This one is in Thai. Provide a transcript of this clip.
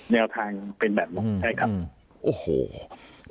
เนี่ยแผ่นเป็นแบบความไม่ใช่ครับ